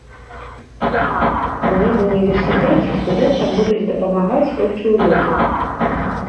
У медуніверсітэце студэнтам будуць дапамагаць толькі ў лютым.